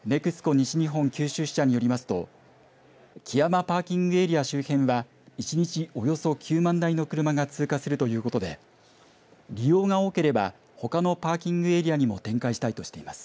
西日本九州支社によりますと基山パーキングエリア周辺は一日およそ９万台の車が通過するということで利用が多ければほかのパーキングエリアにも展開したいとしています。